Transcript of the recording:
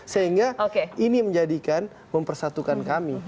sehingga ini menjadikan mempersatukan kami